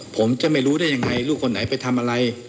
ผมจะไม่รู้ได้ยังไงลูกคนไหนไปทำอะไร